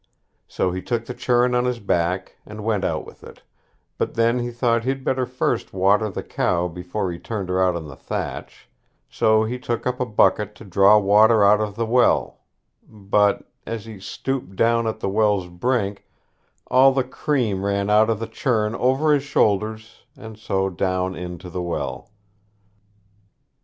So he took the churn on his back, and went out with it; but then he thought he'd better first water the cow before he turned her out on the thatch; so he took up a bucket to draw water out of the well; but, as he stooped down at the well's brink, all the cream ran out of the churn over his shoulders, and so down into the well.